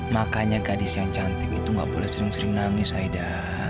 makanya gadis yang cantik itu gak boleh sering sering nangis aida